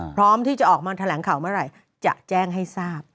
พร้อมที่จะออกมาแถลงข่าวเมื่อไหร่จะแจ้งให้ทราบ